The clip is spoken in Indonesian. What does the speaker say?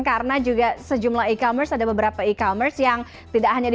karena juga sejumlah e commerce ada beberapa e commerce yang tidak hanya di dua satu